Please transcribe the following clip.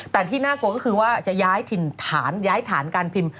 แต่ที่น่ากลัวก็คือว่าจะย้ายถ่านการพิมพ์